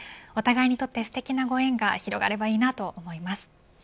お互いにとってすてきなご縁が広がればいいなと思います。